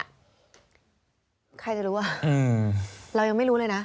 ใครจะรู้อ่ะเรายังไม่รู้เลยนะ